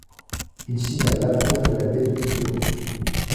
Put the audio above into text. Il signale l'approche de la baie de Quiberon.